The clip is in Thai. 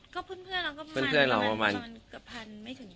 ก็เพื่อนเราก็ประมาณเกือบพันไม่ถึง